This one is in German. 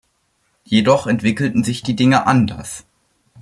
Jedoch entwickelten sich die Dinge anders.